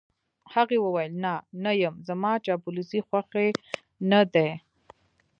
هغې وویل: نه، نه یم، زما چاپلوسۍ خوښې نه دي.